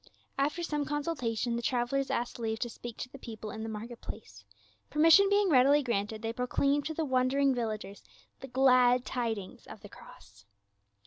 After some consultation the travelers asked leave to speak to the people in the market place : permission being readily granted, they proclaimed to the wonder ing villagers the glad tidings of the cross.